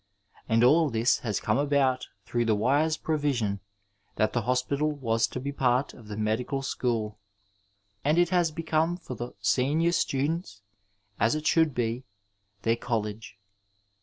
And all this has come about through the wise provision that the hospital was to be part of the medical school, and it has become for the senior students, as it should be, their college.